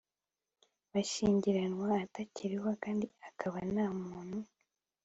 Bashyingiranywe atakiriho kandi akaba nta muntu